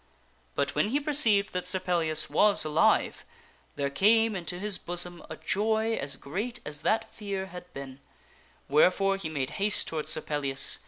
But when he perceived that Sir Pellias was alive, there came into his bosom a joy as great as that fear had been; wherefore he made haste toward Sir Pellias.